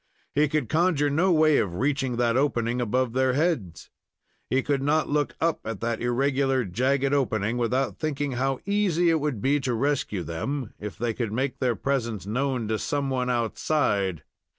He could conjure no way of reaching that opening above their heads. He could not look up at that irregular, jagged opening without thinking how easy it would be to rescue them, if they could make their presence known to some one outside.